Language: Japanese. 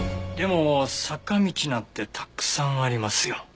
でも坂道なんてたくさんありますよ。